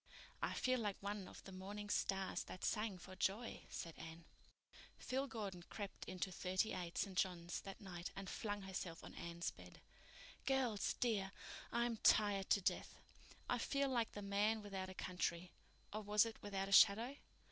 "I feel like one of the morning stars that sang for joy," said Anne. Phil Gordon crept into Thirty eight, St. John's, that night and flung herself on Anne's bed. "Girls, dear, I'm tired to death. I feel like the man without a country—or was it without a shadow?